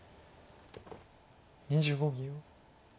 ２５秒。